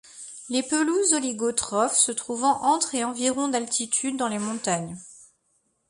Les pelouses oligotrophes se trouvant entre et environ d'altitude dans les montagnes.